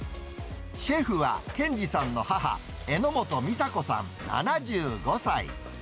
シェフは健司さんの母、榎本みさ子さん７５歳。